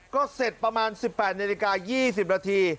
ก็เสร็จประมาณ๑๘นาฬิกา๒๐นาที